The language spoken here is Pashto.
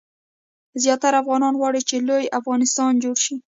زیاتره افغانان غواړي چې لوی افغانستان جوړ شي.